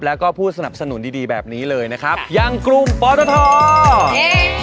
แล้วก็ผู้สนับสนุนดีดีแบบนี้เลยนะครับอย่างกลุ่มปอตท